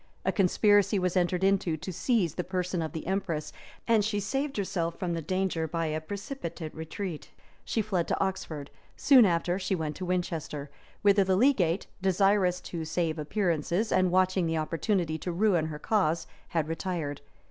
A conspiracy was entered into to seize the person of the empress, and she saved herself from the danger by a precipitate retreat. She fled to Oxford: soon after she went to Winchester, whither the legate, desirous to save appearances, and watching the opportunity to ruin her cause, had retired.